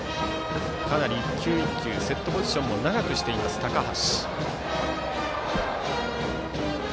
かなり１球１球セットポジションを長くしています、高橋。